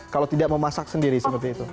kalau tidak memasak sendiri seperti itu